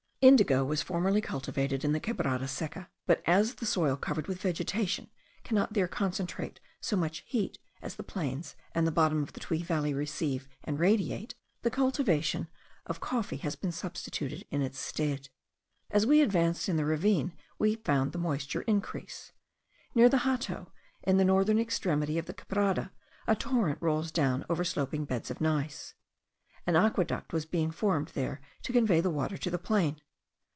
Indigo was formerly cultivated in the Quebrada Seca; but as the soil covered with vegetation cannot there concentrate so much heat as the plains and the bottom of the Tuy valley receive and radiate, the cultivation of coffee has been substituted in its stead. As we advanced in the ravine we found the moisture increase. Near the Hato, at the northern extremity of the Quebrada, a torrent rolls down over sloping beds of gneiss. An aqueduct was being formed there to convey the water to the plain.